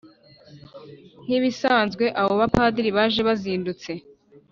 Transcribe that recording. Nk’ibisanzwe abo bapadiri baje bazindutse